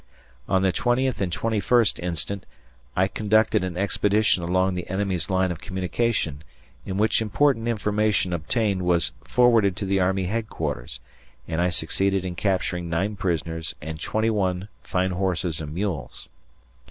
On the 20th and 21st instant, I conducted an expedition along the enemy's line of communication, in which important information obtained was forwarded to the army headquarters, and I succeeded in capturing 9 prisoners and 21 fine horses and mules.